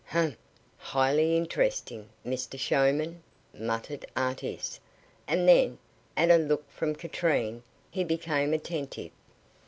"Humph, highly interesting, Mr Showman," muttered Artis; and then, at a look from Katrine, he became attentive.